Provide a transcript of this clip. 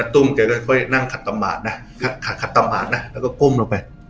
ตุ้มก็ค่อยนั่งขัดตามหาดนะแล้วก็ก้มลงไป